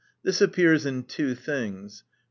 — This ap pears in two things. (1.)